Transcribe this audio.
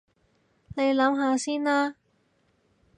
你諗下先啦